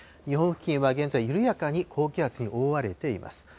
日本付近は現在、緩やかに高気圧に覆われています。